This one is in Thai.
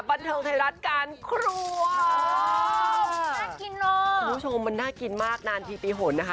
บันเทิงไทยรัฐการครัวน่ากินเนอะคุณผู้ชมมันน่ากินมากนานทีปีหนนะคะ